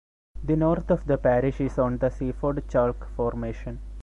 The north of the parish is on the Seaford Chalk Formation.